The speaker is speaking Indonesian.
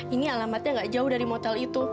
ini alamatnya gak jauh dari modal itu